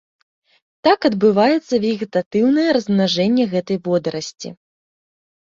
Так адбываецца вегетатыўнае размнажэнне гэтай водарасці.